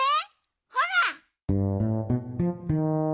ほら。